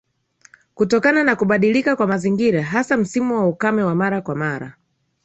Kutokana na kubadilika kwa mazingira hasa msimu wa ukame wa mara kwa mara